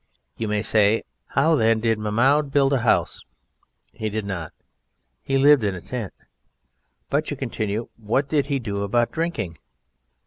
You may say, "How, then, did Mahmoud build a house?" He did not. He lived in a tent. "But," you continue, "what did he do about drinking?"